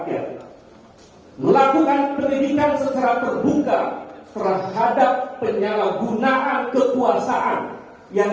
tiga melakukan pendidikan secara terbuka terhadap penyalahgunaan kekuasaan